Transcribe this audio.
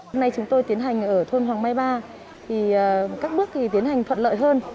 hôm nay chúng tôi tiến hành ở thôn hoàng mai ba thì các bước thì tiến hành thuận lợi hơn